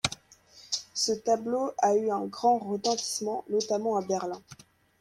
Ce tableau a eu un grand retentissement, notamment à Berlin.